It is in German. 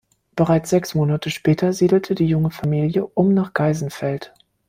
Bereits sechs Monate später siedelte die junge Familie um nach Geisenfeld.